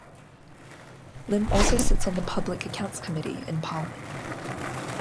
Lim also sits on the Public Accounts Committee in Parliament.